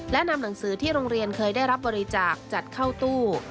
และนำหนังสือที่โรงเรียนเคยได้รับบริจาคจัดเข้าตู้